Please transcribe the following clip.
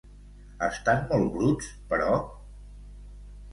Estan molt bruts, però?